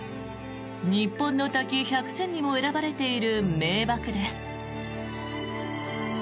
日本の滝１００選にも選ばれている名瀑です。